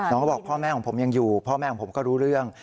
เขาบอกพ่อแม่ของผมยังอยู่พ่อแม่ของผมก็รู้เรื่อง